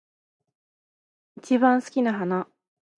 一番好きな花